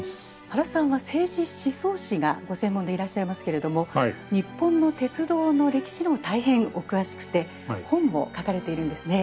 原さんは政治思想史がご専門でいらっしゃいますけれども日本の鉄道の歴史にも大変お詳しくて本も書かれているんですね。